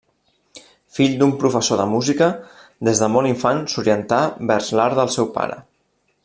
Fill d'un professor de música, des de molt infant s'orientà vers l'art del seu pare.